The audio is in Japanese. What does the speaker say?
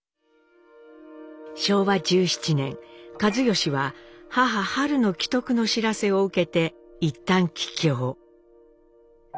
昭和１７年一嚴は母はるの危篤の知らせを受けて一旦帰郷。